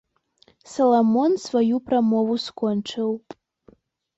Саламон сваю прамову скончыў.